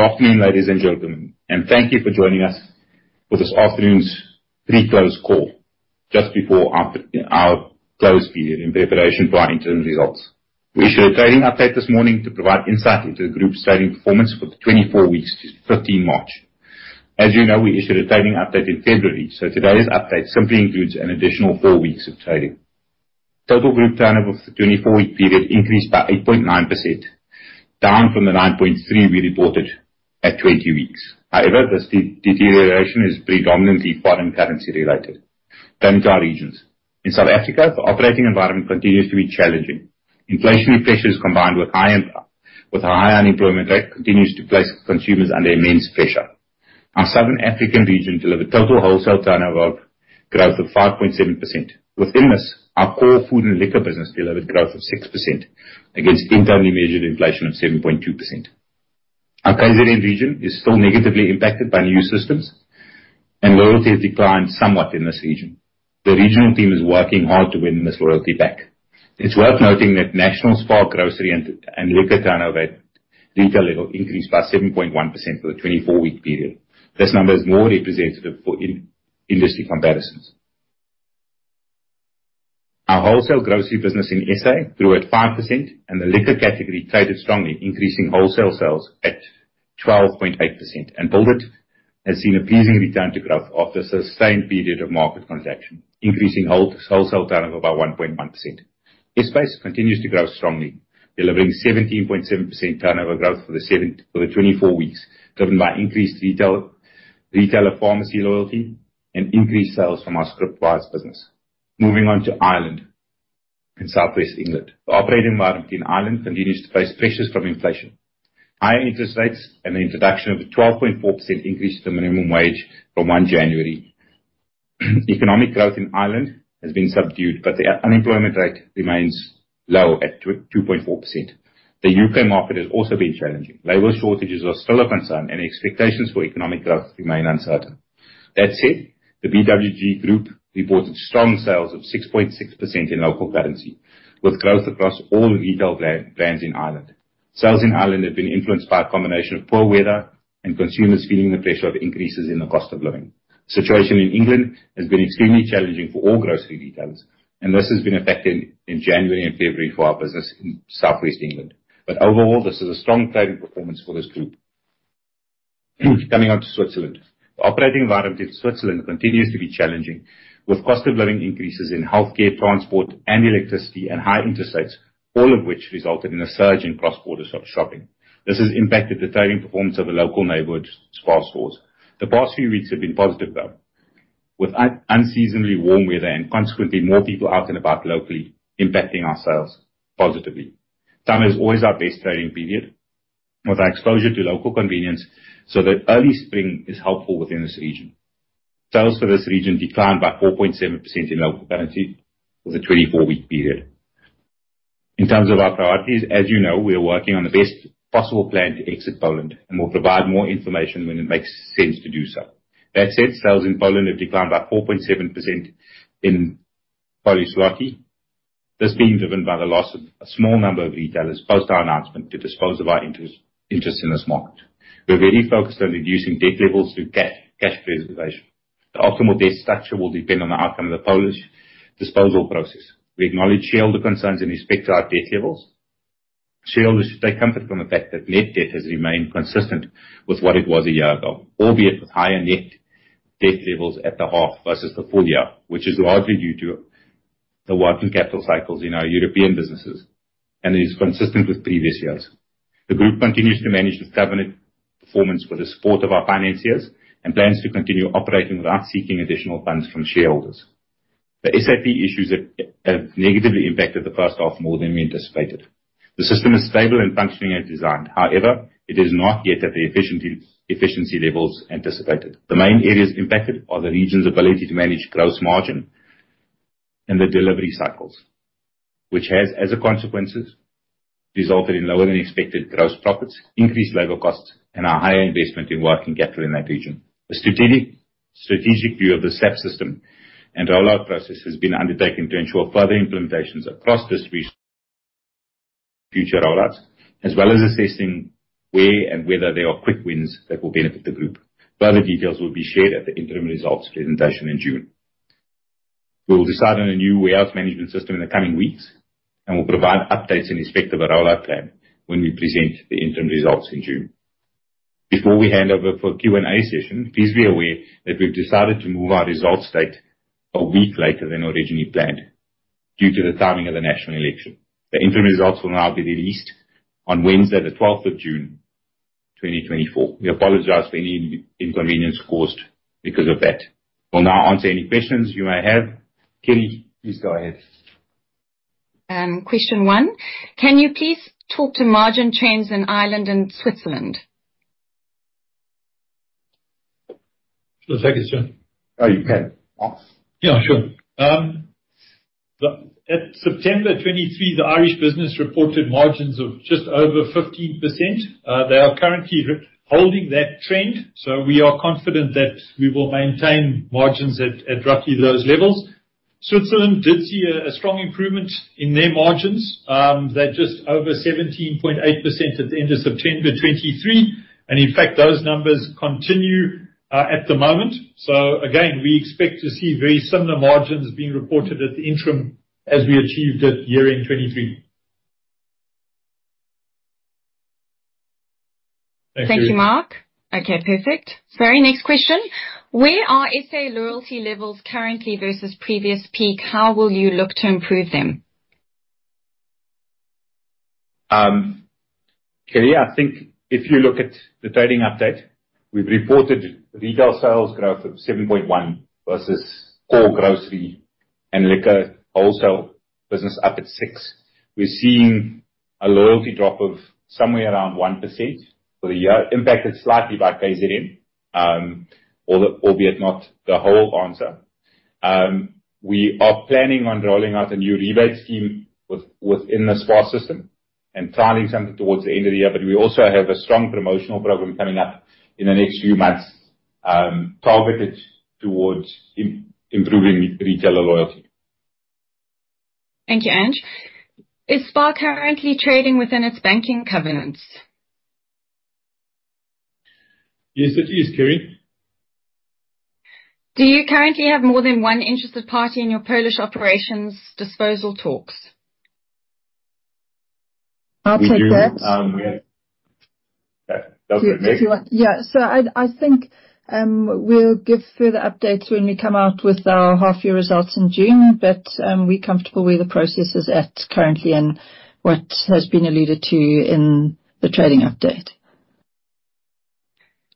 Good afternoon, ladies and gentlemen, and thank you for joining us for this afternoon's pre-close call, just before our close period in preparation for our interim results. We issued a trading update this morning to provide insight into the group's trading performance for the 24 weeks to 15 March. As you know, we issued a trading update in February, so today's update simply includes an additional four weeks of trading. Total group turnover for the 24-week period increased by 8.9%, down from the 9.3% we reported at 20 weeks. However, this deterioration is predominantly foreign currency-related, non-ZAR regions. In South Africa, the operating environment continues to be challenging. Inflationary pressures, combined with a high unemployment rate, continue to place consumers under immense pressure. Our Southern African region delivered total wholesale turnover growth of 5.7%. Within this, our core food and liquor business delivered growth of 6% against internally measured inflation of 7.2%. Our KwaZulu-Natal region is still negatively impacted by new systems, and loyalty has declined somewhat in this region. The regional team is working hard to win this loyalty back. It's worth noting that national SPAR grocery and liquor turnover retail level increased by 7.1% for the 24-week period. This number is more representative for industry comparisons. Our wholesale grocery business in EC grew at 5%, and the liquor category traded strongly, increasing wholesale sales at 12.8%, and Build it has seen a pleasing return to growth after a sustained period of market contraction, increasing wholesale turnover by 1.1%. S Buys continues to grow strongly, delivering 17.7% turnover growth for the 24 weeks, driven by increased retailer pharmacy loyalty and increased sales from our Scriptwise business. Moving on to Ireland and Southwest England. The operating environment in Ireland continues to face pressures from inflation. Higher interest rates and the introduction of a 12.4% increase to the minimum wage from 1 January. Economic growth in Ireland has been subdued, but the unemployment rate remains low at 2.4%. The U.K. market has also been challenging. Labor shortages are still a concern, and expectations for economic growth remain uncertain. That said, the BWG Group reported strong sales of 6.6% in local currency, with growth across all retail brands in Ireland. Sales in Ireland have been influenced by a combination of poor weather and consumers feeling the pressure of increases in the cost of living. The situation in England has been extremely challenging for all grocery retailers, and this has been affected in January and February for our business in Southwest England. But overall, this is a strong trading performance for this group. Coming on to Switzerland. The operating environment in Switzerland continues to be challenging, with cost of living increases in healthcare, transport, and electricity, and high interest rates, all of which resulted in a surge in cross-border shopping. This has impacted the trading performance of the local neighborhood SPAR stores. The past few weeks have been positive, though, with unseasonably warm weather and consequently more people out and about locally impacting our sales positively. Summer is always our best trading period, with our exposure to local convenience, so the early spring is helpful within this region. Sales for this region declined by 4.7% in local currency for the 24-week period. In terms of our priorities, as you know, we are working on the best possible plan to exit Poland, and we'll provide more information when it makes sense to do so. That said, sales in Poland have declined by 4.7% in Polish zloty. This is being driven by the loss of a small number of retailers post our announcement to dispose of our interest in this market. We're very focused on reducing debt levels through cash preservation. The optimal debt structure will depend on the outcome of the Polish disposal process. We acknowledge shareholder concerns in respect to our debt levels. Shareholders should take comfort from the fact that net debt has remained consistent with what it was a year ago, albeit with higher net debt levels at the half versus the full year, which is largely due to the working capital cycles in our European businesses, and it is consistent with previous years. The group continues to manage its governance performance with the support of our financiers and plans to continue operating without seeking additional funds from shareholders. The SAP issues have negatively impacted the first half more than we anticipated. The system is stable and functioning as designed. However, it is not yet at the efficiency levels anticipated. The main areas impacted are the region's ability to manage gross margin and the delivery cycles, which has as a consequence resulted in lower than expected gross profits, increased labor costs, and a higher investment in working capital in that region. A strategic view of the SAP system and rollout process has been undertaken to ensure further implementations across this region for future rollouts, as well as assessing where and whether there are quick wins that will benefit the group. Further details will be shared at the interim results presentation in June. We will decide on a new warehouse management system in the coming weeks, and we'll provide updates in respect of a rollout plan when we present the interim results in June. Before we hand over for a Q&A session, please be aware that we've decided to move our results date a week later than originally planned due to the timing of the national election. The interim results will now be released on Wednesday, the 12th of June 2024. We apologize for any inconvenience caused because of that. We'll now answer any questions you may have. Kelly, please go ahead. Question one. Can you please talk to margin trends in Ireland and Switzerland? Sure. Thank you, sir. Oh, you can. Yeah, sure. At September 2023, the Irish business reported margins of just over 15%. They are currently holding that trend, so we are confident that we will maintain margins at roughly those levels. Switzerland did see a strong improvement in their margins. They're just over 17.8% at the end of September 2023, and in fact, those numbers continue at the moment. So again, we expect to see very similar margins being reported at the interim as we achieved it year-end 2023. Thank you, Mark. Okay, perfect. Sorry, next question. Where are SA loyalty levels currently versus previous peak? How will you look to improve them? Kelly, I think if you look at the trading update, we've reported retail sales growth of 7.1% versus core grocery and liquor wholesale business up at 6%. We're seeing a loyalty drop of somewhere around 1% for the year. Impacted slightly by KZN, albeit not the whole answer. We are planning on rolling out a new rebate scheme within the SPAR system and filing something towards the end of the year, but we also have a strong promotional program coming up in the next few months targeted towards improving retailer loyalty. Thank you, Ange. Is SPAR currently trading within its banking covenants? Yes, it is, Kelly. Do you currently have more than one interested party in your Polish operations disposal talks? I'll take that. That was it, Meg. Yeah, so I think we'll give further updates when we come out with our half-year results in June, but we're comfortable with the processes as currently and what has been alluded to in the trading update.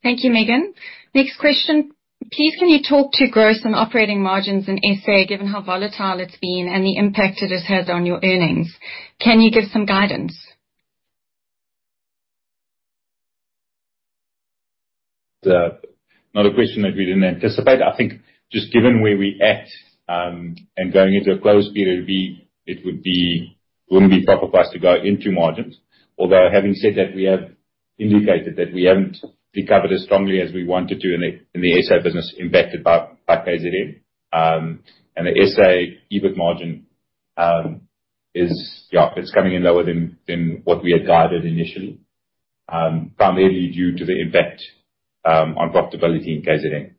Thank you, Megan. Next question. Please, can you talk to growth and operating margins in SA, given how volatile it's been and the impact it has had on your earnings? Can you give some guidance? Not a question that we didn't anticipate. I think just given where we're at and going into a closed period, it would be proper for us to go into margins. Although, having said that, we have indicated that we haven't recovered as strongly as we wanted to in the SA business impacted by KwaZulu-Natal. And the SA EBIT margin is, yeah, it's coming in lower than what we had guided initially, primarily due to the impact on profitability in KwaZulu-Natal.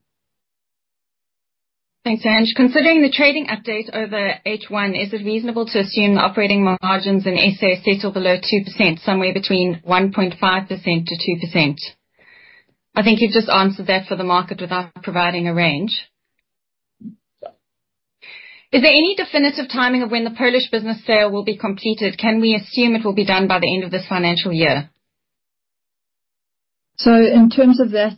Thanks, Ange. Considering the trading update over H1, is it reasonable to assume operating margins in SA are set or below 2%, somewhere between 1.5% to 2%? I think you've just answered that for the market without providing a range. Is there any definitive timing of when the Polish business sale will be completed? Can we assume it will be done by the end of this financial year? So in terms of that,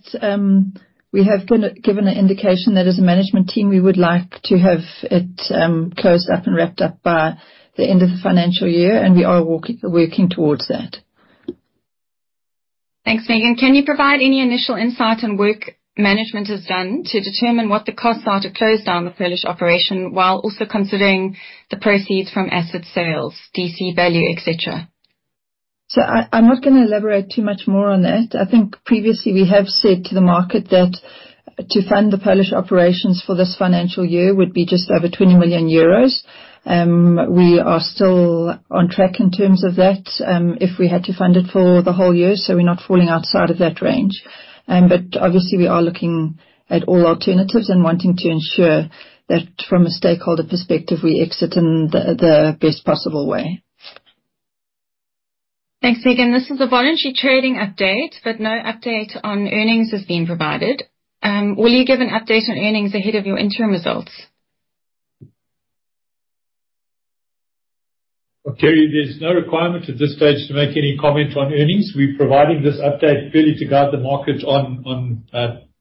we have given an indication that as a management team, we would like to have it closed up and wrapped up by the end of the financial year, and we are working towards that. Thanks, Megan. Can you provide any initial insight on what work management has done to determine what the costs are to close down the Polish operation while also considering the proceeds from asset sales, DC value, etc.? So I'm not going to elaborate too much more on that. I think previously we have said to the market that to fund the Polish operations for this financial year would be just over 20 million euros. We are still on track in terms of that if we had to fund it for the whole year, so we're not falling outside of that range. But obviously, we are looking at all alternatives and wanting to ensure that from a stakeholder perspective, we exit in the best possible way. Thanks, Megan. This is a voluntary trading update, but no update on earnings has been provided. Will you give an update on earnings ahead of your interim results? Kelly, there's no requirement at this stage to make any comment on earnings. We're providing this update purely to guide the market on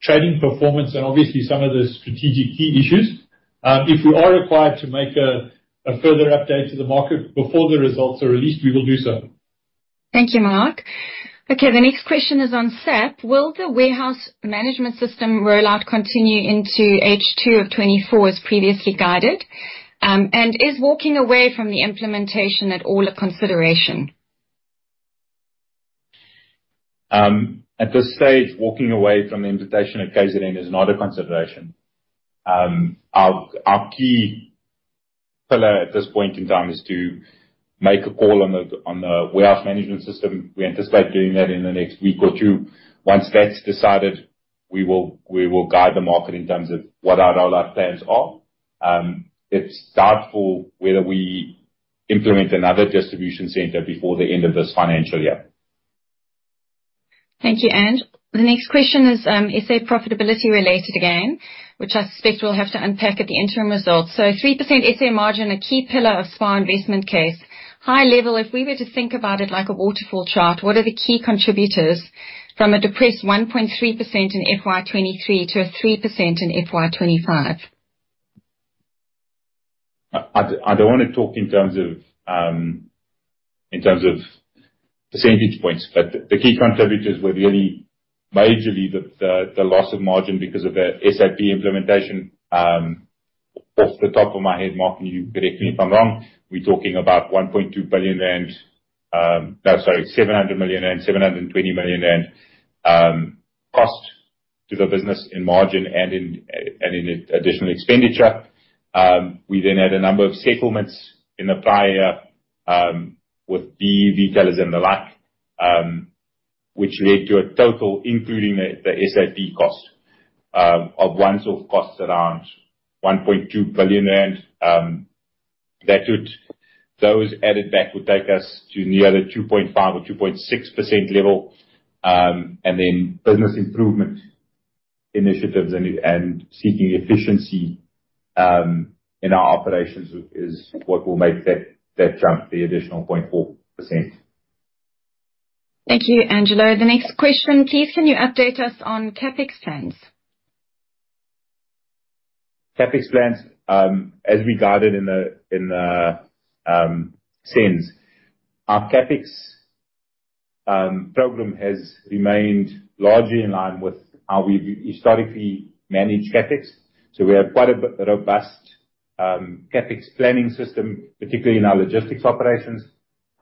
trading performance and obviously some of the strategic key issues. If we are required to make a further update to the market before the results are released, we will do so. Thank you, Mark. Okay, the next question is on SAP. Will the warehouse management system rollout continue into H2 of 2024 as previously guided? And is walking away from the implementation at all a consideration? At this stage, walking away from the implementation of KwaZulu-Natal is not a consideration. Our key pillar at this point in time is to make a call on the warehouse management system. We anticipate doing that in the next week or two. Once that's decided, we will guide the market in terms of what our rollout plans are. It's doubtful whether we implement another distribution centre before the end of this financial year. Thank you, Ange. The next question is SA profitability related again, which I suspect we'll have to unpack at the interim results. So 3% SA margin, a key pillar of SPAR investment case. High level, if we were to think about it like a waterfall chart, what are the key contributors from a depressed 1.3% in FY23 to a 3% in FY25? I don't want to talk in terms of percentage points, but the key contributors were really majorly the loss of margin because of the SAP implementation. Off the top of my head, Mark, and you correct me if I'm wrong, we're talking about 1.2 billion, no, sorry, 720 million cost to the business in margin and in additional expenditure. We then had a number of settlements in the prior year with BU or a few retailers and the like, which led to a total, including the SAP cost, of one-off costs around 1.2 billion rand. That added back would take us to near the 2.5% or 2.6% level. Business improvement initiatives and seeking efficiency in our operations is what will make that jump, the additional 0.4%. Thank you, Angelo. The next question, please, can you update us on CapEx plans? CapEx plans, as we guided in the SENS, our CapEx program has remained largely in line with how we've historically managed CapEx. So we have quite a robust CapEx planning system, particularly in our logistics operations,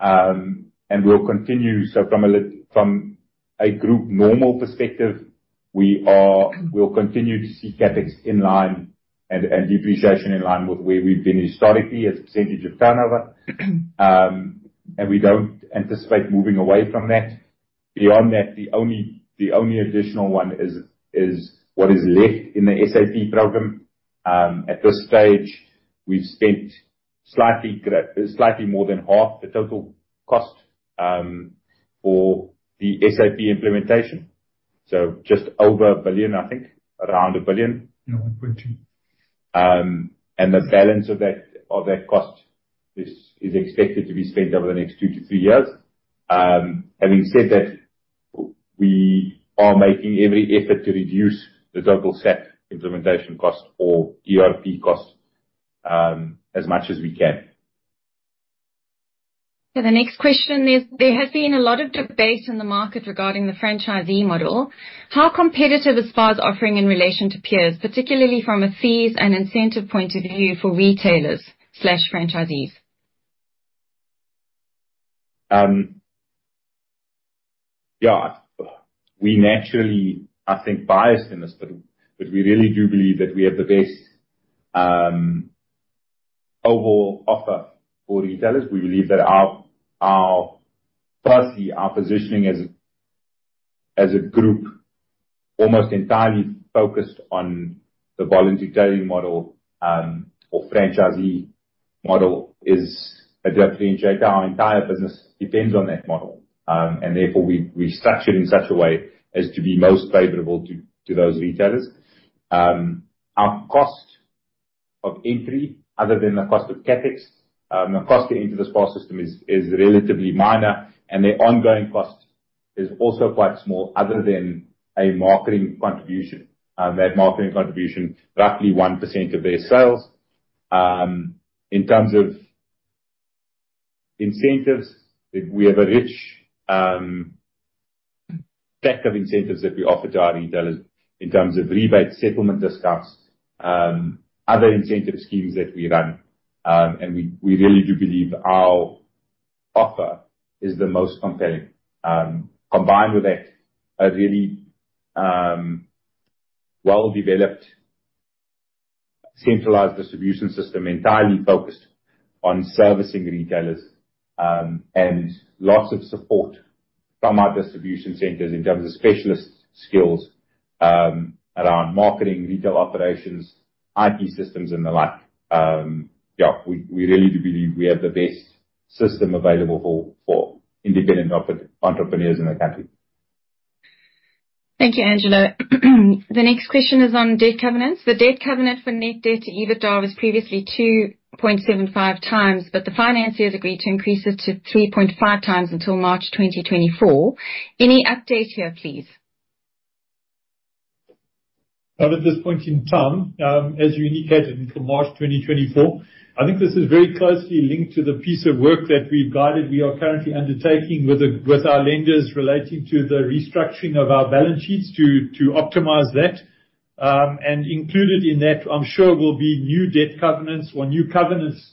and we'll continue. So from a group normal perspective, we'll continue to see CapEx in line and depreciation in line with where we've been historically as a percentage of turnover, and we don't anticipate moving away from that. Beyond that, the only additional one is what is left in the SAP program. At this stage, we've spent slightly more than half the total cost for the SAP implementation. So just over 1 billion, I think, around 1 billion. Yeah, 1.2. The balance of that cost is expected to be spent over the next two to three years. Having said that, we are making every effort to reduce the total SAP implementation cost or ERP cost as much as we can. The next question is, there has been a lot of debate in the market regarding the franchisee model. How competitive is SPAR's offering in relation to peers, particularly from a fees and incentive point of view for retailers/franchisees? Yeah, we naturally, I think, biased in this, but we really do believe that we have the best overall offer for retailers. We believe that firstly, our positioning as a group, almost entirely focused on the voluntary trading model or franchisee model, is a differentiator. Our entire business depends on that model, and therefore we structure in such a way as to be most favorable to those retailers. Our cost of entry, other than the cost of CapEx, the cost to enter the SPAR system is relatively minor, and the ongoing cost is also quite small, other than a marketing contribution. That marketing contribution, roughly 1% of their sales. In terms of incentives, we have a rich set of incentives that we offer to our retailers in terms of rebates, settlement discounts, other incentive schemes that we run. And we really do believe our offer is the most compelling. Combined with that, a really well-developed centralized distribution system entirely focused on servicing retailers and lots of support from our distribution centers in terms of specialist skills around marketing, retail operations, IT systems, and the like. Yeah, we really do believe we have the best system available for independent entrepreneurs in the country. Thank you, Angelo. The next question is on debt covenants. The debt covenant for net debt to EBITDA was previously 2.75 times, but the financiers agreed to increase it to 3.5 times until March 2024. Any update here, please? Not at this point in time, as you indicated, until March 2024. I think this is very closely linked to the piece of work that we've guided we are currently undertaking with our lenders relating to the restructuring of our balance sheets to optimize that, and included in that, I'm sure there will be new debt covenants or new covenants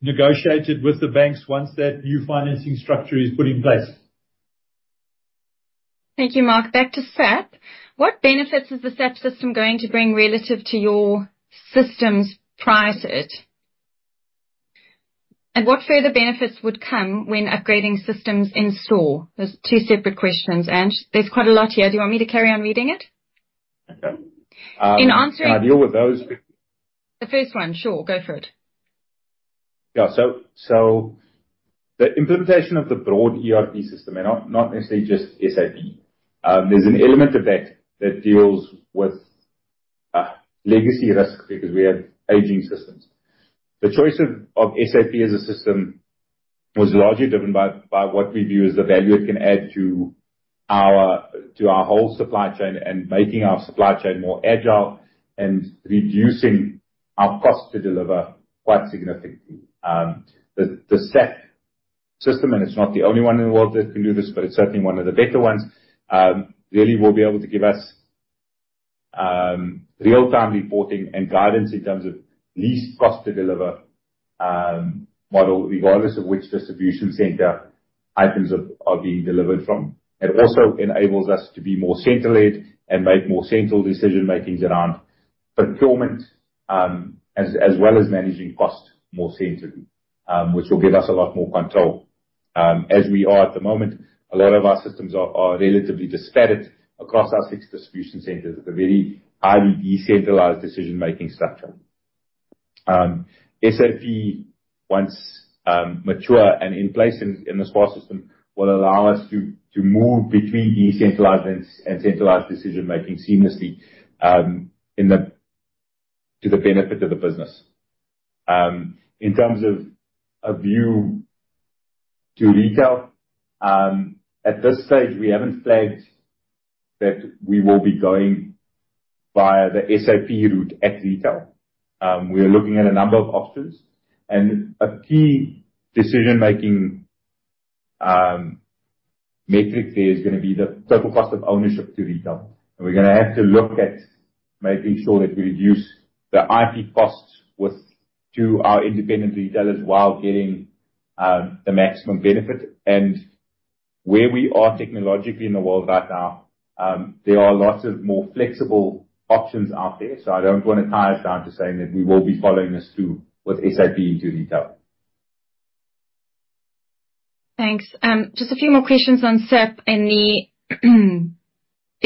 negotiated with the banks once that new financing structure is put in place. Thank you, Mark. Back to SAP. What benefits is the SAP system going to bring relative to your systems prior to it? And what further benefits would come when upgrading systems in store? There's two separate questions, Ange. There's quite a lot here. Do you want me to carry on reading it? Okay. Can I deal with those? The first one, sure. Go for it. Yeah, so the implementation of the broad ERP system, and not necessarily just SAP, there's an element of that that deals with legacy risk because we have aging systems. The choice of SAP as a system was largely driven by what we view as the value it can add to our whole supply chain and making our supply chain more agile and reducing our cost to deliver quite significantly. The SAP system, and it's not the only one in the world that can do this, but it's certainly one of the better ones, really will be able to give us real-time reporting and guidance in terms of least cost to deliver model, regardless of which distribution center items are being delivered from. It also enables us to be more center-led and make more central decision-makings around procurement as well as managing cost more centrally, which will give us a lot more control. As we are at the moment, a lot of our systems are relatively disparate across our six distribution centers, a very highly decentralized decision-making structure. SAP, once mature and in place in the SPAR system, will allow us to move between decentralized and centralized decision-making seamlessly to the benefit of the business. In terms of a view to retail, at this stage, we haven't flagged that we will be going via the SAP route at retail. We are looking at a number of options, and a key decision-making metric there is going to be the total cost of ownership to retail. And we're going to have to look at making sure that we reduce the IP costs to our independent retailers while getting the maximum benefit. And where we are technologically in the world right now, there are lots of more flexible options out there, so I don't want to tie us down to saying that we will be following this through with SAP into retail. Thanks. Just a few more questions on SAP in the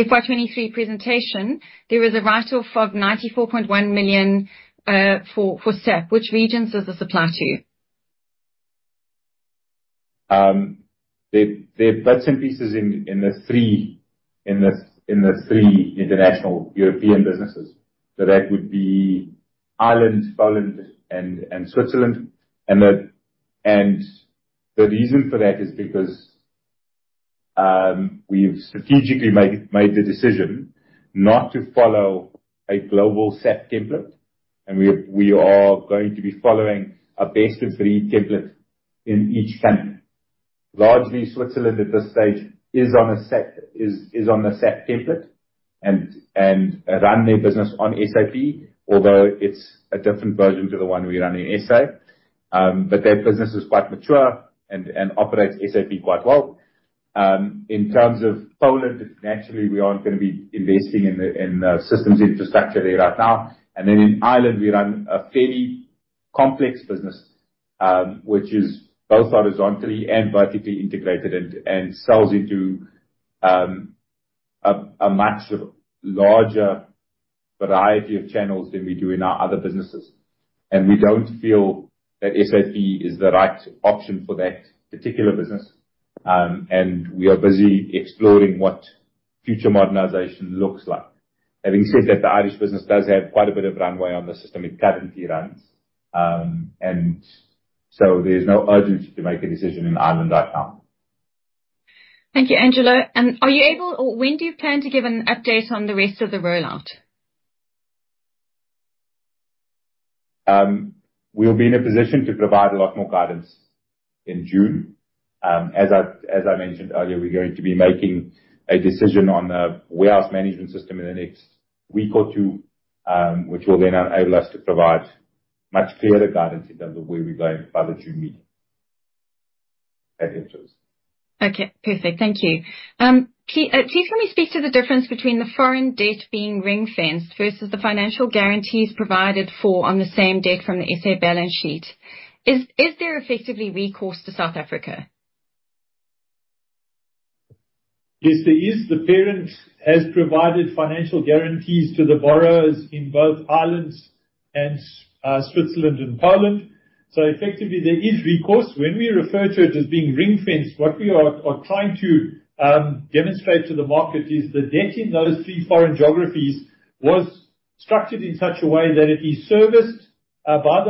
FY23 presentation. There was a write-off of 94.1 million for SAP. Which regions does the supply to? They're bits and pieces in the three international European businesses. So that would be Ireland, Poland, and Switzerland. And the reason for that is because we've strategically made the decision not to follow a global SAP template, and we are going to be following a best-of-breed template in each country. Largely, Switzerland at this stage is on the SAP template and run their business on SAP, although it's a different version to the one we run in SA. But that business is quite mature and operates SAP quite well. In terms of Poland, naturally, we aren't going to be investing in the systems infrastructure there right now. And then in Ireland, we run a fairly complex business, which is both horizontally and vertically integrated and sells into a much larger variety of channels than we do in our other businesses. We don't feel that SAP is the right option for that particular business, and we are busy exploring what future modernization looks like. Having said that, the Irish business does have quite a bit of runway on the system it currently runs, and so there's no urgency to make a decision in Ireland right now. Thank you, Angelo. And are you able, or when do you plan to give an update on the rest of the rollout? We'll be in a position to provide a lot more guidance in June. As I mentioned earlier, we're going to be making a decision on the Warehouse Management System in the next week or two, which will then enable us to provide much clearer guidance in terms of where we're going by the June meeting. That helps us. Okay, perfect. Thank you. Please can we speak to the difference between the foreign debt being ring-fenced versus the financial guarantees provided for on the same debt from the SA balance sheet? Is there effectively recourse to South Africa? Yes, there is. The parent has provided financial guarantees to the borrowers in both Ireland and Switzerland and Poland. So effectively, there is recourse. When we refer to it as being ring-fenced, what we are trying to demonstrate to the market is the debt in those three foreign geographies was structured in such a way that it is serviced by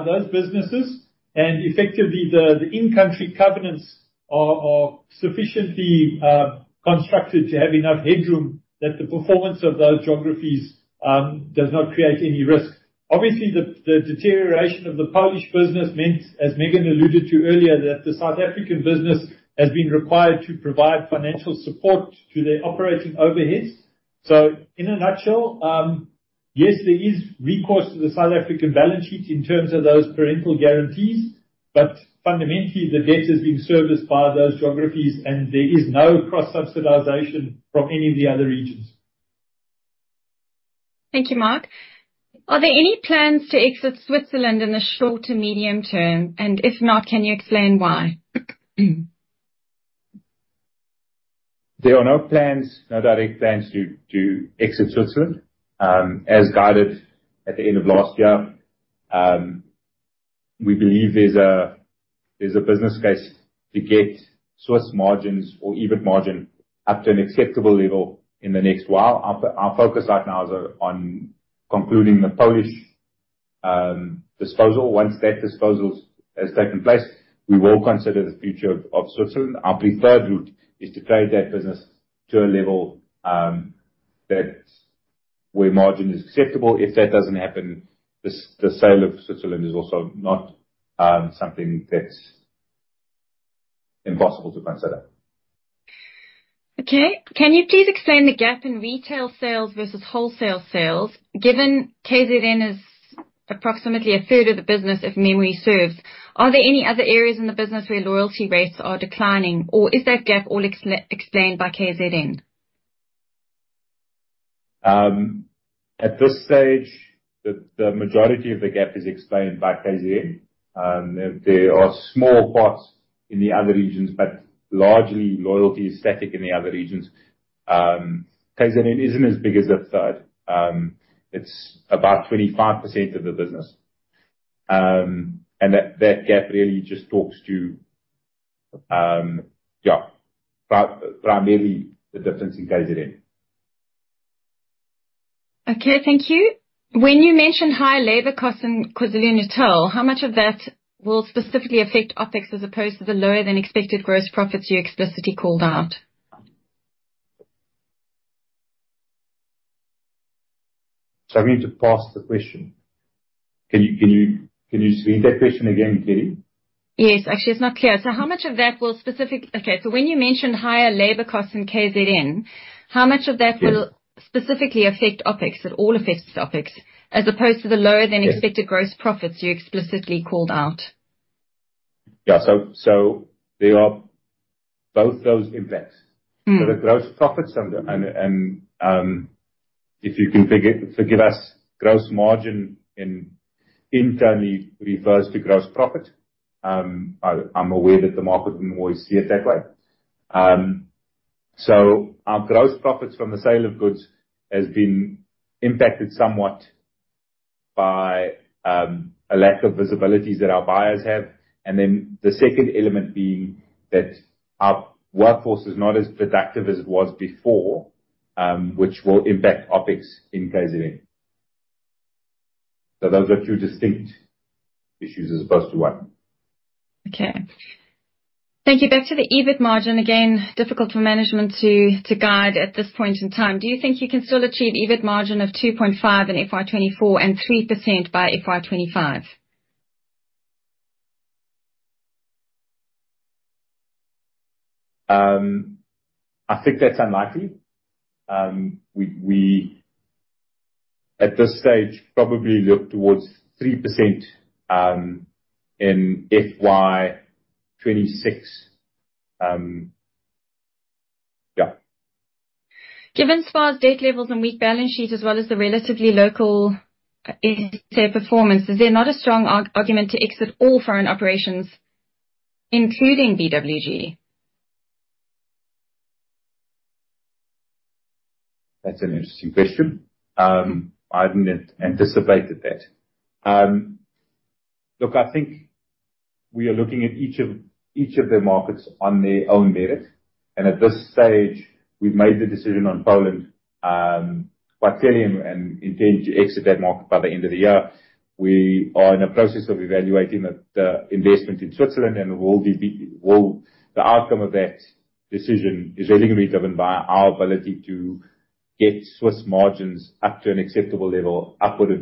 those businesses, and effectively, the in-country covenants are sufficiently constructed to have enough headroom that the performance of those geographies does not create any risk. Obviously, the deterioration of the Polish business meant, as Megan alluded to earlier, that the South African business has been required to provide financial support to their operating overheads. So in a nutshell, yes, there is recourse to the South African balance sheet in terms of those parent guarantees, but fundamentally, the debt is being serviced by those geographies, and there is no cross-subsidization from any of the other regions. Thank you, Mark. Are there any plans to exit Switzerland in the short to medium term? And if not, can you explain why? There are no plans, no direct plans to exit Switzerland. As guided at the end of last year, we believe there's a business case to get gross margins or EBIT margin up to an acceptable level in the next while. Our focus right now is on concluding the Polish disposal. Once that disposal has taken place, we will consider the future of Switzerland. Our preferred route is to trade that business to a level where margin is acceptable. If that doesn't happen, the sale of Switzerland is also not something that's impossible to consider. Okay. Can you please explain the gap in retail sales versus wholesale sales, given KZN is approximately a third of the business, if memory serves? Are there any other areas in the business where loyalty rates are declining, or is that gap all explained by KZN? At this stage, the majority of the gap is explained by KZN. There are small parts in the other regions, but largely loyalty is static in the other regions. KZN isn't as big as a third. It's about 25% of the business. And that gap really just talks to, yeah, primarily the difference in KZN. Okay, thank you. When you mentioned higher labor costs in KwaZulu-Natal, how much of that will specifically affect OpEx as opposed to the lower-than-expected gross profits you explicitly called out? Sorry, I need to parse the question. Can you repeat that question again, Kelly? Yes. Actually, it's not clear. So how much of that will specifically, okay, so when you mentioned higher labor costs in KZN, how much of that will specifically affect OpEx? It all affects OpEx, as opposed to the lower-than-expected gross profits you explicitly called out? Yeah, so there are both those effects. So the gross profits, and if you can forgive us, gross margin internally refers to gross profit. I'm aware that the market wouldn't always see it that way. So our gross profits from the sale of goods have been impacted somewhat by a lack of visibility that our buyers have. And then the second element being that our workforce is not as productive as it was before, which will impact OpEx in KZN. So those are two distinct issues as opposed to one. Okay. Thank you. Back to the EBIT margin again, difficult for management to guide at this point in time. Do you think you can still achieve EBIT margin of 2.5% in FY24 and 3% by FY25? I think that's unlikely. We, at this stage, probably look towards 3% in FY26. Yeah. Given SPAR's debt levels and weak balance sheet as well as the relatively lackluster performance, is there not a strong argument to exit all foreign operations, including BWG? That's an interesting question. I didn't anticipate that. Look, I think we are looking at each of the markets on their own merit. And at this stage, we've made the decision on Poland, quite clearly, and intend to exit that market by the end of the year. We are in the process of evaluating the investment in Switzerland, and the outcome of that decision is really going to be driven by our ability to get Swiss margins up to an acceptable level, upward of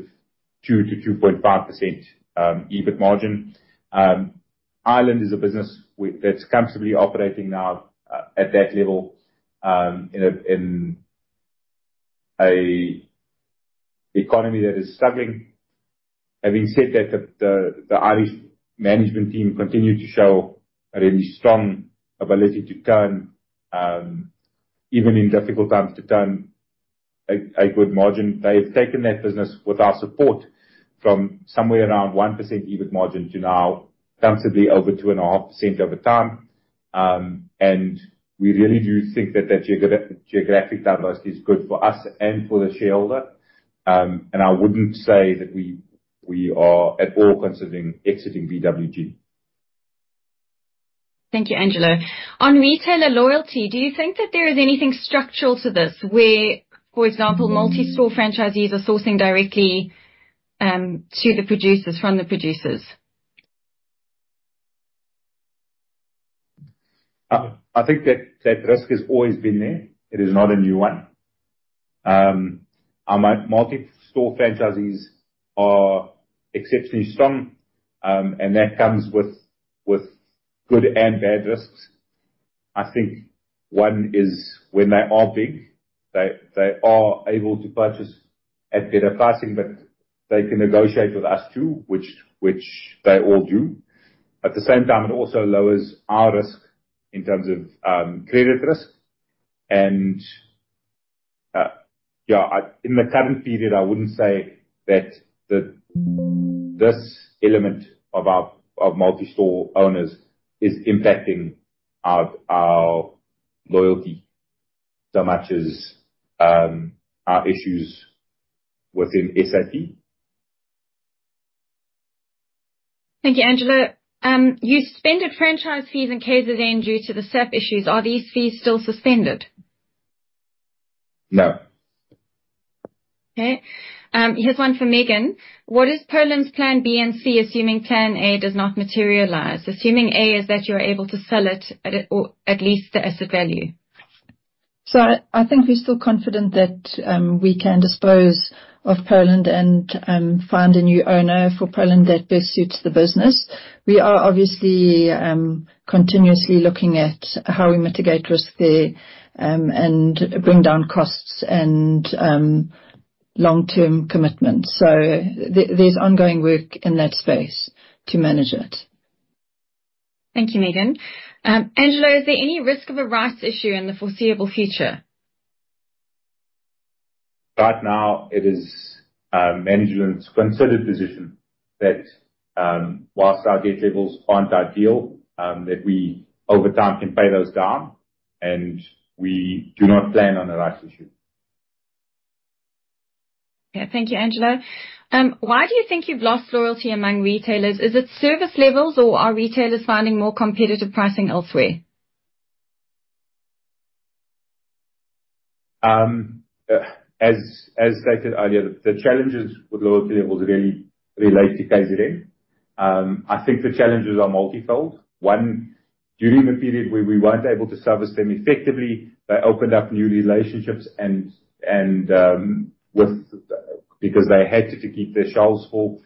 2%-2.5% EBIT margin. Ireland is a business that's comfortably operating now at that level in an economy that is struggling. Having said that, the Irish management team continues to show a really strong ability to turn, even in difficult times, to turn a good margin. They have taken that business with our support from somewhere around 1% EBIT margin to now comfortably over 2.5% over time. And we really do think that that geographic diversity is good for us and for the shareholder. And I wouldn't say that we are at all considering exiting BWG. Thank you, Angelo. On retailer loyalty, do you think that there is anything structural to this where, for example, multi-store franchisees are sourcing directly to the producers from the producers? I think that risk has always been there. It is not a new one. Our multi-store franchisees are exceptionally strong, and that comes with good and bad risks. I think one is when they are big, they are able to purchase at better pricing, but they can negotiate with us too, which they all do. At the same time, it also lowers our risk in terms of credit risk, and yeah, in the current period, I wouldn't say that this element of multi-store owners is impacting our loyalty so much as our issues within SAP. Thank you, Angelo. You suspended franchise fees in KZN due to the SAP issues. Are these fees still suspended? No. Okay. Here's one for Megan. What is Poland's plan B and C, assuming plan A does not materialize? Assuming A is that you are able to sell it at least the asset value. So I think we're still confident that we can dispose of Poland and find a new owner for Poland that best suits the business. We are obviously continuously looking at how we mitigate risk there and bring down costs and long-term commitments. So there's ongoing work in that space to manage it. Thank you, Megan. Angelo, is there any risk of a rights issue in the foreseeable future? Right now, it is management's considered position that whilst our debt levels aren't ideal, that we over time can pay those down, and we do not plan on a rights issue. Okay. Thank you, Angelo. Why do you think you've lost loyalty among retailers? Is it service levels, or are retailers finding more competitive pricing elsewhere? As stated earlier, the challenges with loyalty levels really relate to KZN. I think the challenges are multifold. One, during the period where we weren't able to service them effectively, they opened up new relationships because they had to keep their shelves full.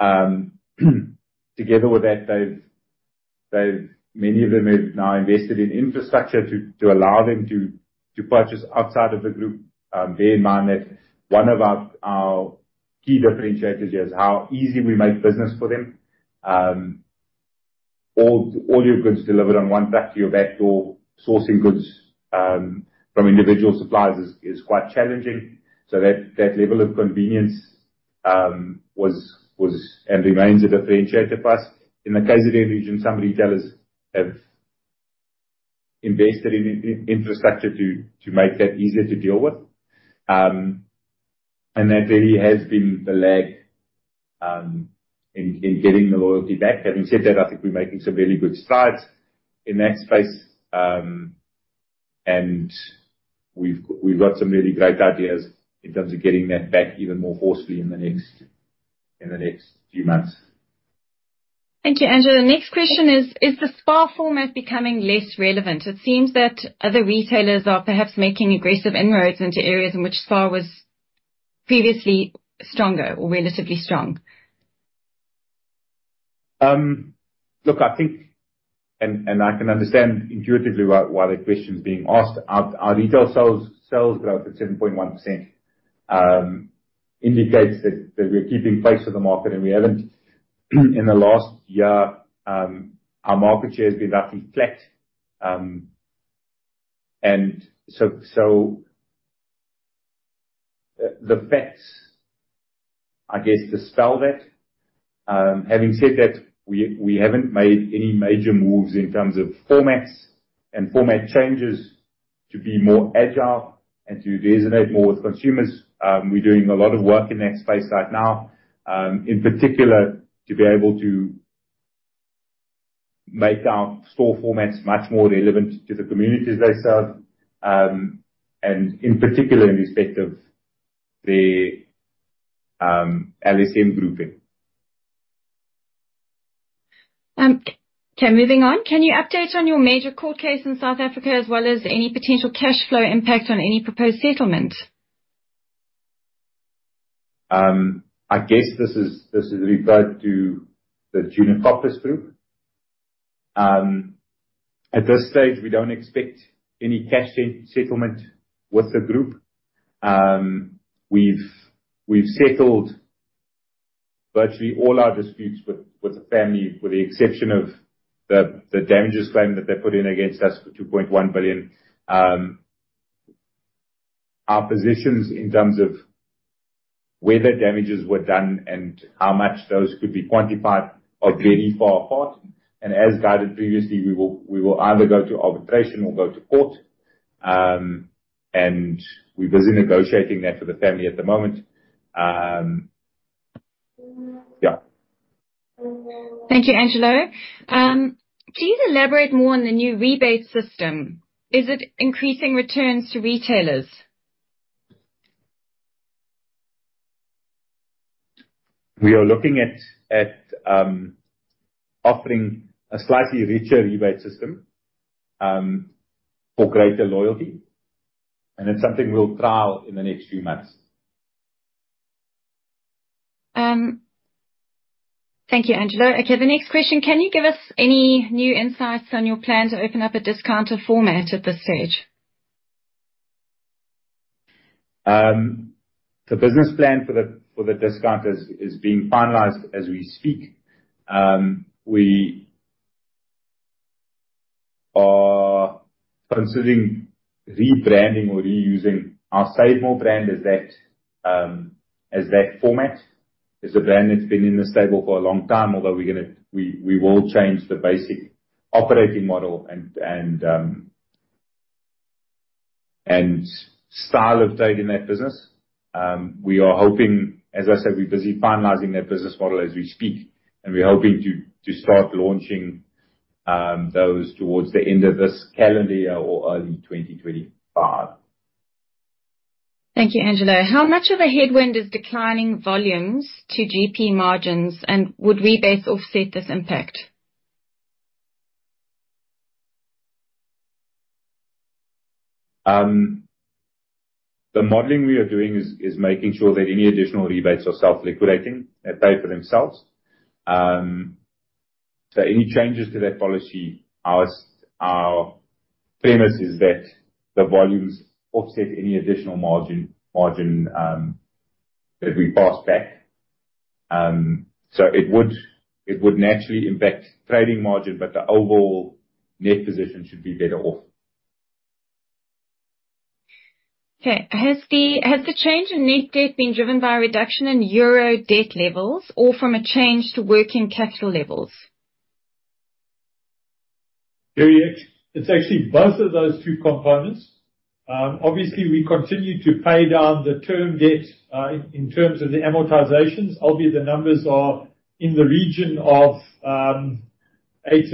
Together with that, many of them have now invested in infrastructure to allow them to purchase outside of the group. Bear in mind that one of our key differentiators is how easy we make business for them. All your goods delivered on one truck to your back door, sourcing goods from individual suppliers is quite challenging. So that level of convenience was and remains a differentiator for us. In the KZN region, some retailers have invested in infrastructure to make that easier to deal with. And that really has been the lag in getting the loyalty back. Having said that, I think we're making some really good strides in that space, and we've got some really great ideas in terms of getting that back even more forcefully in the next few months. Thank you, Angelo. The next question is, is the SPAR format becoming less relevant? It seems that other retailers are perhaps making aggressive inroads into areas in which SPAR was previously stronger or relatively strong. Look, I think, and I can understand intuitively why that question's being asked. Our retail sales growth at 7.1% indicates that we're keeping pace with the market, and we haven't. In the last year, our market share has been roughly flat, and so the facts, I guess, dispel that. Having said that, we haven't made any major moves in terms of formats and format changes to be more agile and to resonate more with consumers. We're doing a lot of work in that space right now, in particular, to be able to make our store formats much more relevant to the communities they serve, and in particular, in respect of the LSM grouping. Okay. Moving on. Can you update on your major court case in South Africa as well as any potential cash flow impact on any proposed settlement? I guess this refers to the Giannacopoulos Group. At this stage, we don't expect any cash settlement with the group. We've settled virtually all our disputes with the family, with the exception of the damages claim that they put in against us for 2.1 billion. Our positions in terms of whether damages were done and how much those could be quantified are very far apart, and as guided previously, we will either go to arbitration or go to court, and we're busy negotiating that for the family at the moment. Yeah. Thank you, Angelo. Please elaborate more on the new rebate system. Is it increasing returns to retailers? We are looking at offering a slightly richer rebate system for greater loyalty, and it's something we'll trial in the next few months. Thank you, Angelo. Okay. The next question, can you give us any new insights on your plan to open up a discounter format at this stage? The business plan for the discounter is being finalized as we speak. We are considering rebranding or reusing our SaveMor brand as that format. It's a brand that's been in the stable for a long time, although we will change the basic operating model and style of trading that business. We are hoping, as I said, we're busy finalizing that business model as we speak, and we're hoping to start launching those towards the end of this calendar year or early 2025. Thank you, Angelo. How much of a headwind is declining volumes to GP margins, and would rebates offset this impact? The modeling we are doing is making sure that any additional rebates are self-liquidating and pay for themselves. So any changes to that policy, our premise is that the volumes offset any additional margin that we pass back. So it would naturally impact trading margin, but the overall net position should be better off. Okay. Has the change in net debt been driven by a reduction in euro debt levels or from a change to working capital levels? It's actually both of those two components. Obviously, we continue to pay down the term debt in terms of the amortizations, albeit the numbers are in the region of eight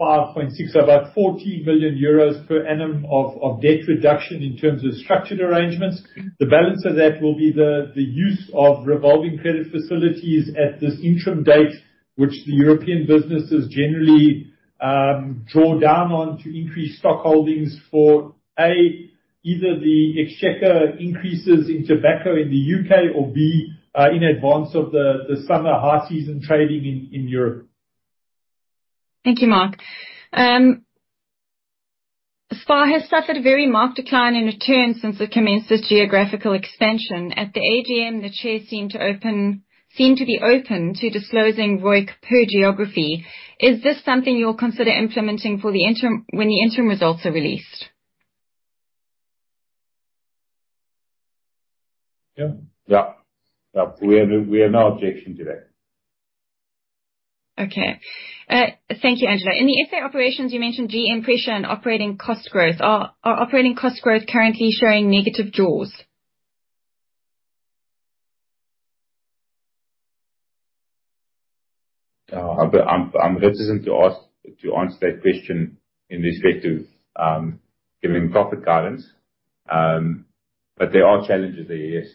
and 5.6, so about 14 million euros per annum of debt reduction in terms of structured arrangements. The balance of that will be the use of revolving credit facilities at this interim date, which the European businesses generally draw down on to increase stock holdings for either the Exchequer increases in tobacco in the U.K. or in advance of the summer high season trading in Europe. Thank you, Mark. SPAR has suffered a very marked decline in returns since it commenced its geographical expansion. At the AGM, the chair seemed to be open to disclosing ROIC per geography. Is this something you'll consider implementing when the interim results are released? Yeah. Yeah. Yeah. We have no objection to that. Okay. Thank you, Angelo. In the SA operations, you mentioned GM pressure and operating cost growth. Are operating cost growth currently showing negative draws? I'm reticent to answer that question in respect to giving profit guidance, but there are challenges there, yes.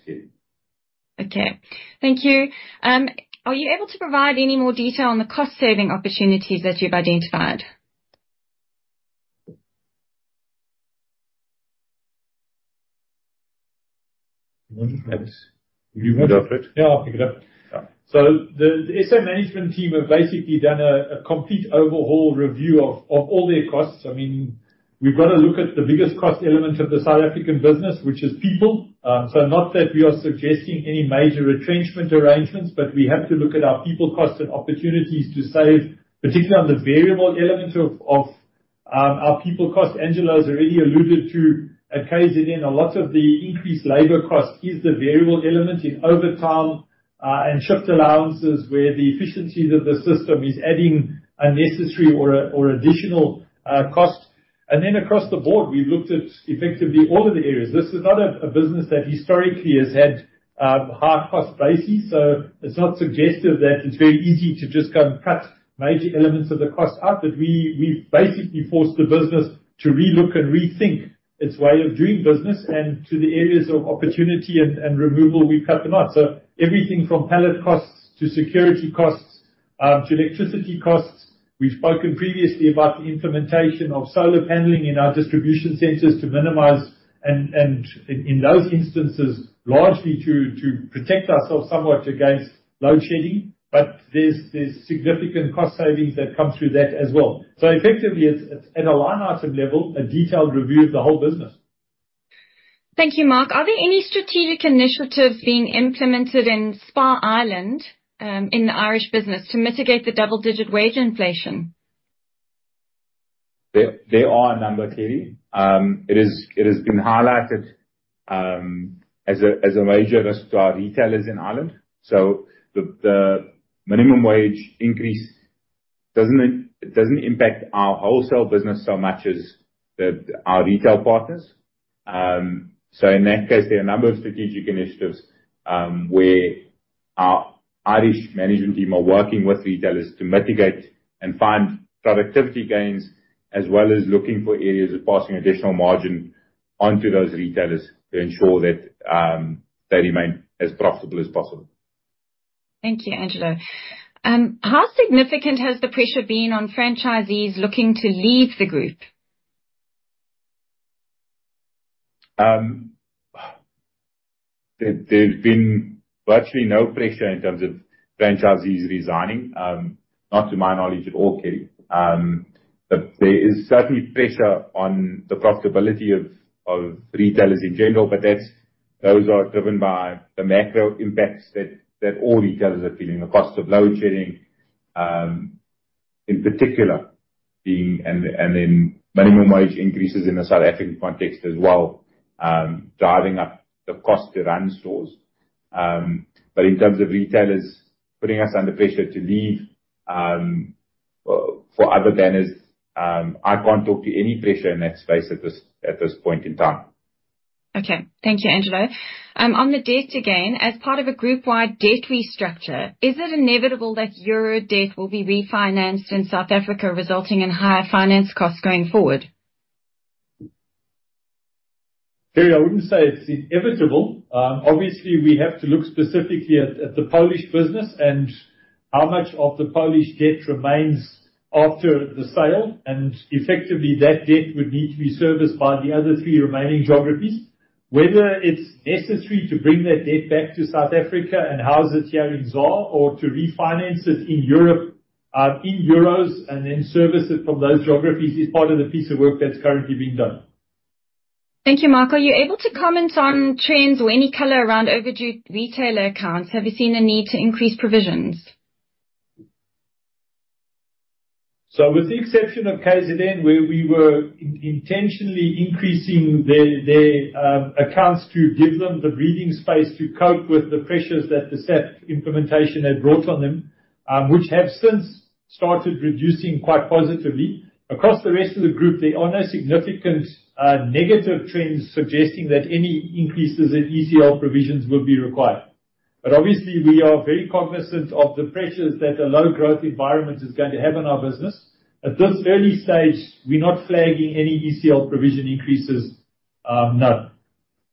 Okay. Thank you. Are you able to provide any more detail on the cost-saving opportunities that you've identified? You've got it. Yeah, I'll pick it up. So the SA management team have basically done a complete overhaul review of all their costs. I mean, we've got to look at the biggest cost element of the South African business, which is people. So not that we are suggesting any major retrenchment arrangements, but we have to look at our people costs and opportunities to save, particularly on the variable element of our people cost. Angelo has already alluded to at KZN, a lot of the increased labor cost is the variable element in overtime and shift allowances where the efficiencies of the system is adding unnecessary or additional cost. And then across the Board, we've looked at effectively all of the areas. This is not a business that historically has had high cost bases, so it's not suggestive that it's very easy to just go and cut major elements of the cost out, but we've basically forced the business to relook and rethink its way of doing business, and to the areas of opportunity and removal, we've cut them out, so everything from pallet costs to security costs to electricity costs. We've spoken previously about the implementation of solar paneling in our distribution centers to minimize, and in those instances, largely to protect ourselves somewhat against load shedding, but there's significant cost savings that come through that as well, so effectively, it's at a line item level, a detailed review of the whole business. Thank you, Mark. Are there any strategic initiatives being implemented in SPAR Ireland in the Irish business to mitigate the double-digit wage inflation? There are a number, clearly. It has been highlighted as a major risk to our retailers in Ireland. So the minimum wage increase doesn't impact our wholesale business so much as our retail partners. So in that case, there are a number of strategic initiatives where our Irish management team are working with retailers to mitigate and find productivity gains, as well as looking for areas of passing additional margin onto those retailers to ensure that they remain as profitable as possible. Thank you, Angelo. How significant has the pressure been on franchisees looking to leave the group? There's been virtually no pressure in terms of franchisees resigning, not to my knowledge at all, clearly. But there is certainly pressure on the profitability of retailers in general, but those are driven by the macro impacts that all retailers are feeling, the cost of load shedding in particular, and then minimum wage increases in the South African context as well, driving up the cost to run stores. But in terms of retailers putting us under pressure to leave for other banners, I can't talk to any pressure in that space at this point in time. Okay. Thank you, Angelo. On the debt again, as part of a group-wide debt restructure, is it inevitable that euro debt will be refinanced in South Africa, resulting in higher finance costs going forward? Clearly, I wouldn't say it's inevitable. Obviously, we have to look specifically at the Polish business and how much of the Polish debt remains after the sale, and effectively, that debt would need to be serviced by the other three remaining geographies. Whether it's necessary to bring that debt back to South Africa and house it here in ZAR or to refinance it in Europe in euros and then service it from those geographies is part of the piece of work that's currently being done. Thank you, Mark. Are you able to comment on trends or any color around overdue retailer accounts? Have you seen a need to increase provisions? So with the exception of KZN, where we were intentionally increasing their accounts to give them the breathing space to cope with the pressures that the SAP implementation had brought on them, which have since started reducing quite positively. Across the rest of the group, there are no significant negative trends suggesting that any increases in ECL provisions will be required. But obviously, we are very cognizant of the pressures that a low-growth environment is going to have on our business. At this early stage, we're not flagging any ECL provision increases, no.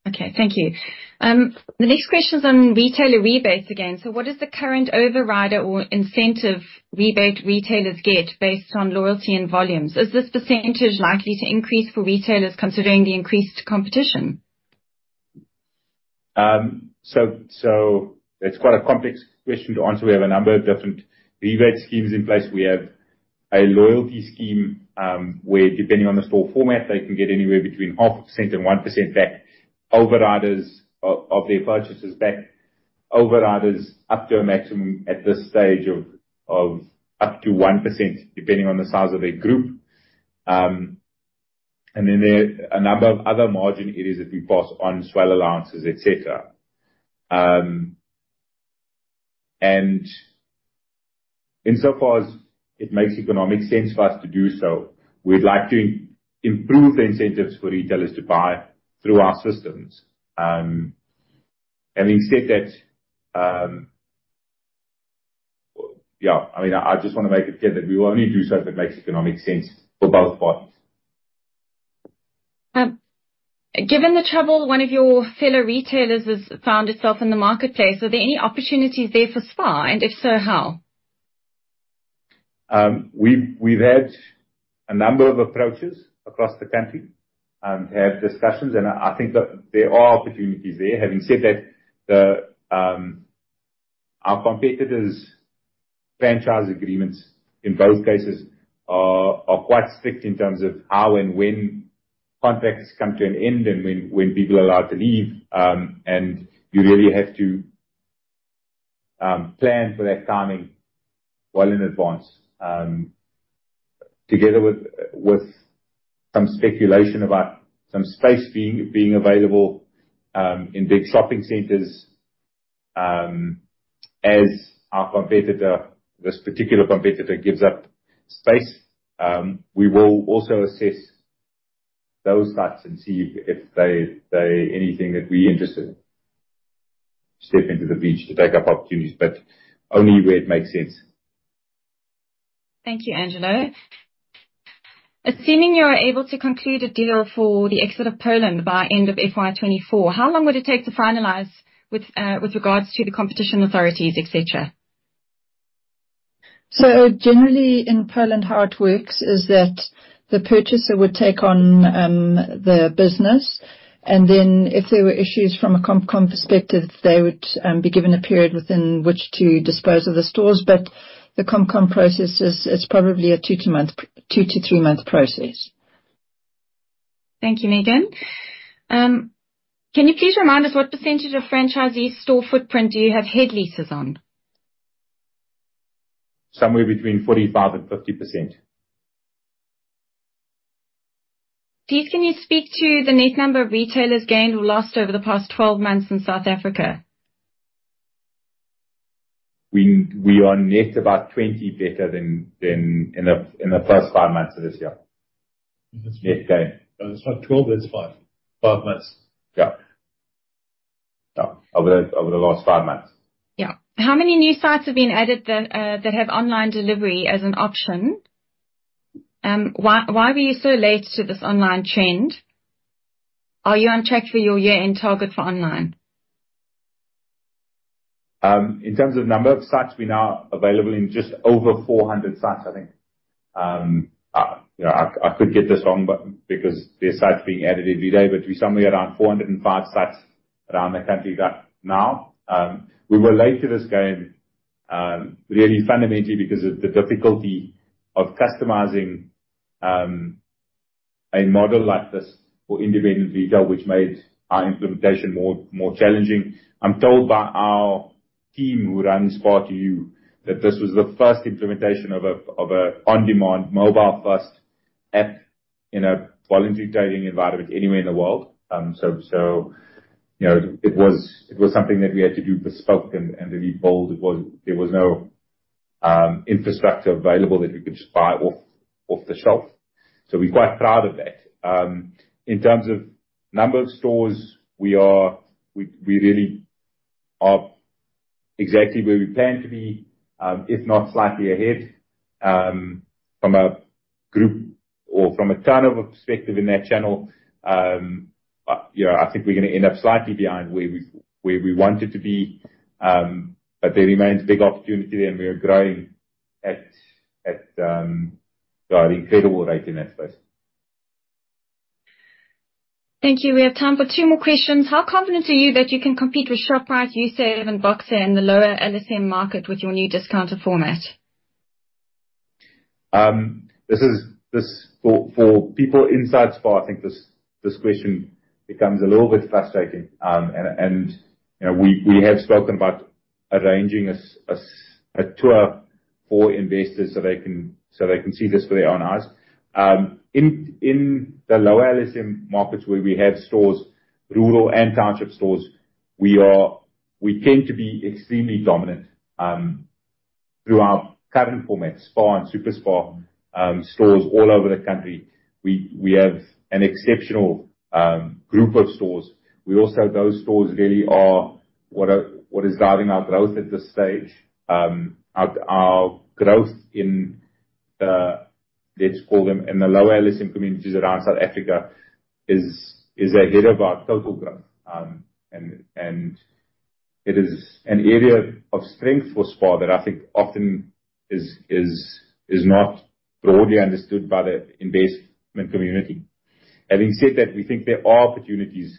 Okay. Thank you. The next question's on retailer rebates again. So what is the current overrider or incentive rebate retailers get based on loyalty and volumes? Is this percentage likely to increase for retailers considering the increased competition? It's quite a complex question to answer. We have a number of different rebate schemes in place. We have a loyalty scheme where, depending on the store format, they can get anywhere between 0.5% and 1% back overriders of their purchases, back overriders up to a maximum at this stage of up to 1%, depending on the size of their group. And then there are a number of other margin areas that we pass on, swell allowances, etc. And insofar as it makes economic sense for us to do so, we'd like to improve the incentives for retailers to buy through our systems. Having said that, yeah, I mean, I just want to make it clear that we will only do so if it makes economic sense for both parties. Given the trouble one of your fellow retailers has found itself in the marketplace, are there any opportunities there for SPAR? And if so, how? We've had a number of approaches across the country and had discussions, and I think there are opportunities there. Having said that, our competitors' franchise agreements in both cases are quite strict in terms of how and when contracts come to an end and when people are allowed to leave. And you really have to plan for that timing well in advance, together with some speculation about some space being available in big shopping centers. As our competitor, this particular competitor, gives up space, we will also assess those sites and see if there's anything that we're interested in stepping into the breach to take up opportunities, but only where it makes sense. Thank you, Angelo. Assuming you're able to conclude a deal for the exit of Poland by end of FY24, how long would it take to finalize with regards to the competition authorities, etc.? Generally, in Poland, how it works is that the purchaser would take on the business, and then if there were issues from a CompCom perspective, they would be given a period within which to dispose of the stores. But the CompCom process, it's probably a two to three-month process. Thank you, Megan. Can you please remind us what percentage of franchisee store footprint do you have head leases on? Somewhere between 45% and 50%. Please, can you speak to the net number of retailers gained or lost over the past 12 months in South Africa? We are net about 20 better than in the first five months of this year. Net gain. It's not 12, it's five. Five months. Yeah. Yeah. Over the last five months. Yeah. How many new sites have been added that have online delivery as an option? Why were you so late to this online trend? Are you on track for your year-end target for online? In terms of number of sites, we're now available in just over 400 sites, I think. I could get this wrong because there are sites being added every day, but we're somewhere around 405 sites around the country right now. We were late to this game really fundamentally because of the difficulty of customizing a model like this for independent retail, which made our implementation more challenging. I'm told by our team who run SPAR2U that this was the first implementation of an on-demand mobile-first app in a voluntary trading environment anywhere in the world. So it was something that we had to do bespoke and to be bold. There was no infrastructure available that we could just buy off the shelf. So we're quite proud of that. In terms of number of stores, we really are exactly where we planned to be, if not slightly ahead from a group or from a turnover perspective in that channel. I think we're going to end up slightly behind where we wanted to be, but there remains a big opportunity there, and we're growing at an incredible rate in that space. Thank you. We have time for two more questions. How confident are you that you can compete with Shoprite, Usave, Boxer, and the lower LSM market with your new discounter format? This is for people inside SPAR. I think this question becomes a little bit frustrating, and we have spoken about arranging a tour for investors so they can see this for their own eyes. In the lower LSM markets where we have stores, rural and township stores, we tend to be extremely dominant through our current format, SPAR and SuperSPAR stores all over the country. We have an exceptional group of stores. We also have those stores really are what is driving our growth at this stage. Our growth in the, let's call them, in the lower LSM communities around South Africa is ahead of our total growth, and it is an area of strength for SPAR that I think often is not broadly understood by the investment community. Having said that, we think there are opportunities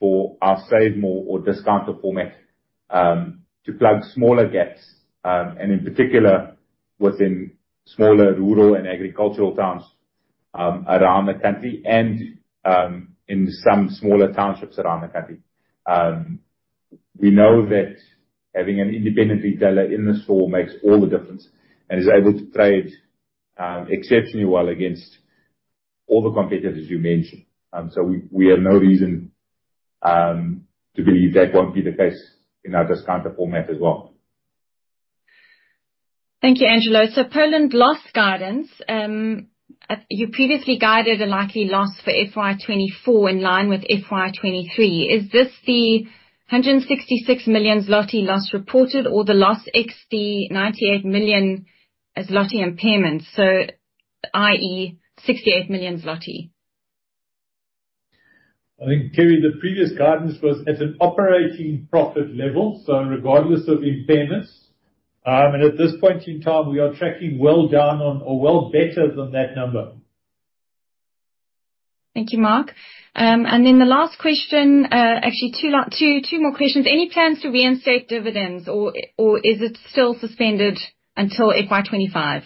for our SaveMor or discounter format to plug smaller gaps, and in particular, within smaller rural and agricultural towns around the country and in some smaller townships around the country. We know that having an independent retailer in the store makes all the difference and is able to trade exceptionally well against all the competitors you mentioned, so we have no reason to believe that won't be the case in our discounter format as well. Thank you, Angelo. So Poland lost guidance. You previously guided a likely loss for FY24 in line with FY23. Is this the 166 million zloty loss reported or the loss ex the 98 million zloty impairments, so i.e., 68 million zloty? I think, clearly, the previous guidance was at an operating profit level, so regardless of impairments, and at this point in time, we are tracking well down on or well better than that number. Thank you, Mark. And then the last question, actually two more questions. Any plans to reinstate dividends, or is it still suspended until FY25?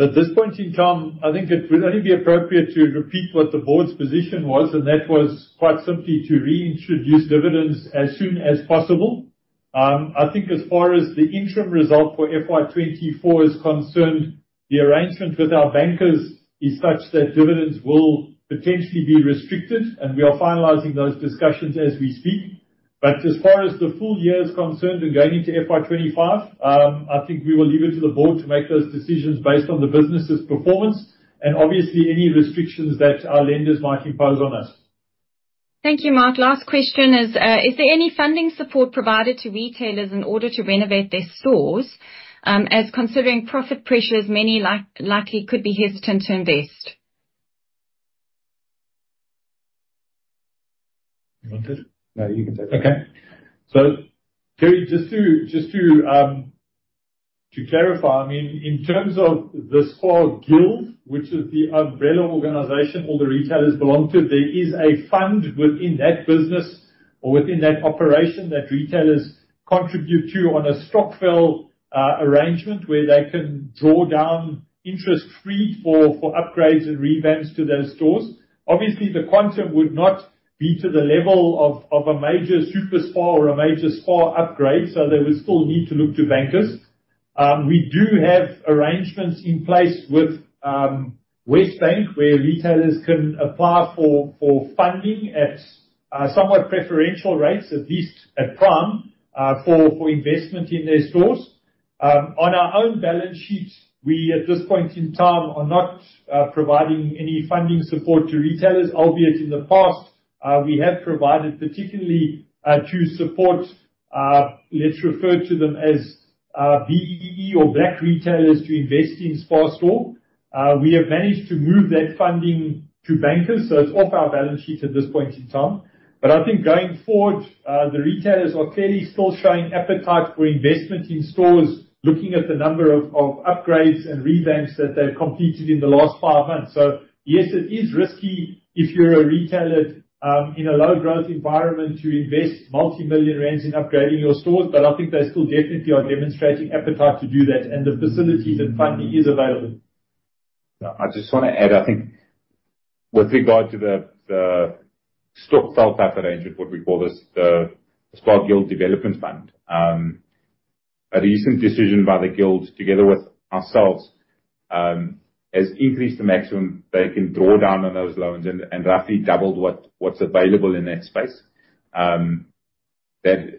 At this point in time, I think it would only be appropriate to repeat what the Board's position was, and that was quite simply to reintroduce dividends as soon as possible. I think as far as the interim result for FY24 is concerned, the arrangement with our bankers is such that dividends will potentially be restricted, and we are finalizing those discussions as we speak. But as far as the full year is concerned and going into FY25, I think we will leave it to the Board to make those decisions based on the business's performance and obviously any restrictions that our lenders might impose on us. Thank you, Mark. Last question is, is there any funding support provided to retailers in order to renovate their stores as considering profit pressures many likely could be hesitant to invest? You wanted? No, you can take that. Okay. So clearly, just to clarify, I mean, in terms of the SPAR Guild, which is the umbrella organization all the retailers belong to, there is a fund within that business or within that operation that retailers contribute to on a stokvel arrangement where they can draw down interest free for upgrades and revamps to their stores. Obviously, the quantum would not be to the level of a major SUPERSPAR or a major SPAR upgrade, so there would still need to look to bankers. We do have arrangements in place with WesBank where retailers can apply for funding at somewhat preferential rates, at least at prime, for investment in their stores. On our own balance sheet, we at this point in time are not providing any funding support to retailers, albeit in the past we have provided, particularly to support, let's refer to them as BEE or Black retailers to invest in SPAR stores. We have managed to move that funding to bankers, so it's off our balance sheet at this point in time. But I think going forward, the retailers are clearly still showing appetite for investment in stores, looking at the number of upgrades and revamps that they've completed in the last five months. So yes, it is risky if you're a retailer in a low-growth environment to invest multi-million rand in upgrading your stores, but I think they still definitely are demonstrating appetite to do that, and the facilities and funding is available. I just want to add, I think with regard to the stokvel type arrangement, what we call the SPAR Guild Development Fund, a recent decision by the Guild together with ourselves has increased the maximum they can draw down on those loans and roughly doubled what's available in that space. That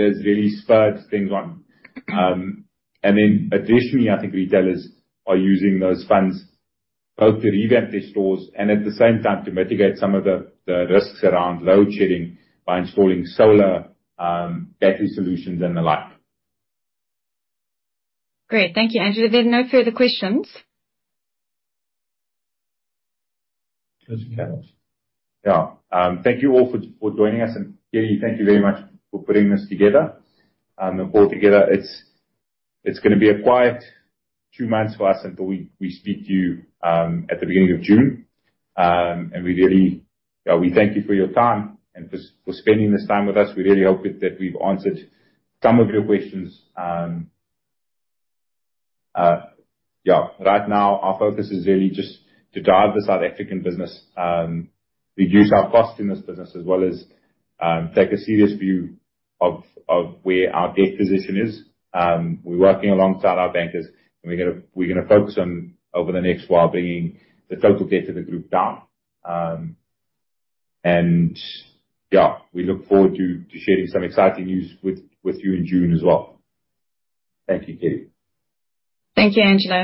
has really spurred things on. And then additionally, I think retailers are using those funds both to revamp their stores and at the same time to mitigate some of the risks around load shedding by installing solar battery solutions and the like. Great. Thank you, Andrew. There are no further questions. There's a camera. Yeah. Thank you all for joining us, and clearly, thank you very much for putting this together. And altogether, it's going to be a quiet two months for us until we speak to you at the beginning of June. And we thank you for your time and for spending this time with us. We really hope that we've answered some of your questions. Yeah. Right now, our focus is really just to drive this South African business, reduce our costs in this business, as well as take a serious view of where our debt position is. We're working alongside our bankers, and we're going to focus on, over the next while, bringing the total debt of the group down. And yeah, we look forward to sharing some exciting news with you in June as well. Thank you, Mark. Thank you, Angelo.